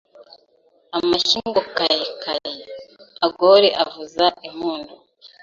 Amashyi ngo kaikai! Agore avuza impundu